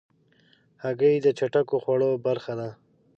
هګۍ د چټکو خوړو برخه ده.